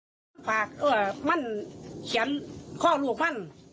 เขียนข้อลูกมั่นผูกข้อลูกมั่นจะตายเนี้ยว่ะสันการภาพกับลูกมาก